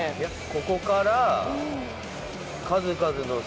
ここから。